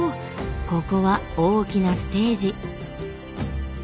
ここは大きなステージ。